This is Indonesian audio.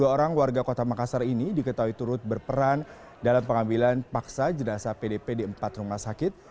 dua orang warga kota makassar ini diketahui turut berperan dalam pengambilan paksa jenazah pdp di empat rumah sakit